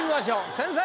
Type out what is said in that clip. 先生！